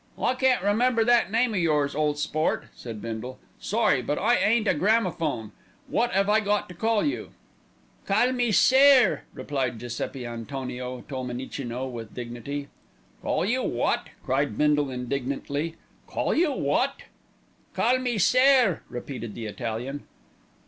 "I can't remember that name o' yours, ole sport," said Bindle. "Sorry, but I ain't a gramophone. Wot 'ave I got to call you?" "Call me sair," replied Giuseppi Antonio Tolmenicino with dignity. "Call you wot?" cried Bindle indignantly. "Call you wot?" "Call me sair," repeated the Italian.